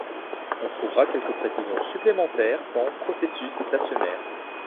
On trouvera quelques précisions supplémentaires dans Processus stationnaire.